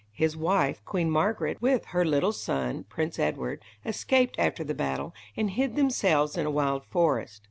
His wife, Queen Margaret, with her little son, Prince Edward, escaped after the battle, and hid themselves in a wild forest.